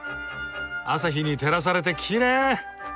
朝日に照らされてきれい！